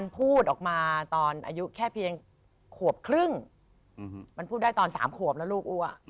พูดได้ตอน๓ขวบแล้วลูกอู๋อ